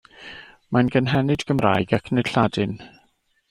Mae'n gynhenid Gymraeg ac nid Lladin.